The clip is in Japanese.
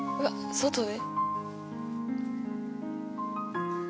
外で。